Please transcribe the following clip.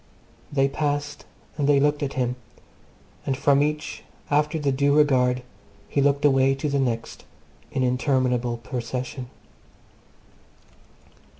They passed and they looked at him; and from each, after the due regard, he looked away to the next in interminable procession.